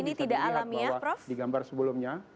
dihat bahwa di gambar sebelumnya